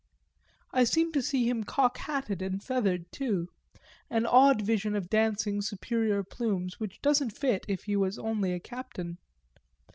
I seem to see him cock hatted and feathered too an odd vision of dancing superior plumes which doesn't fit if he was only a captain.